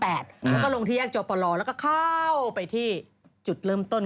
แล้วก็ลงที่แยกจอปลแล้วก็เข้าไปที่จุดเริ่มต้น